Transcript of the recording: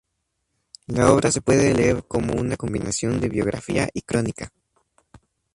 La obra se puede leer como una combinación de biografía y crónica.